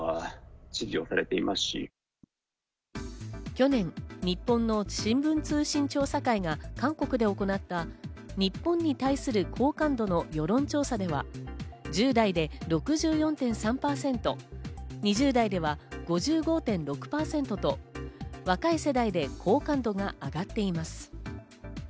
去年、日本の新聞通信調査会が韓国で行った、日本に対する好感度の世論調査では、１０代で６４．３％、２０代では５５．６％と、若い世代で好感度が上がっています。